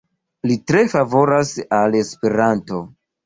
Li tre favoras al Esperanto.